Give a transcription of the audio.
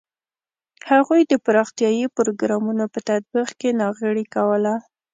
هغوی د پراختیايي پروګرامونو په تطبیق کې ناغېړي کوله.